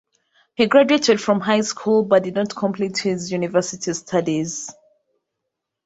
He graduated from high school but did not complete his university studies.